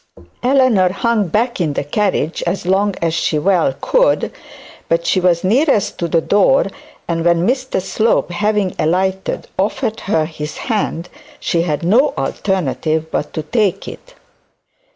Eleanor hung back in the carriage as long as she well could, but she was nearest to the door, and when Mr Slope, having alighted, offered her his hand, she had no alternative but to take it.